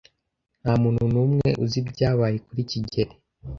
Ntamuntu numwe uzi ibyabaye kuri kigeli.